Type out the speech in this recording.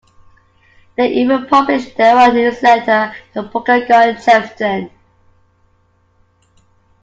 They even published their own newsletter, the Pokagon Chieftain.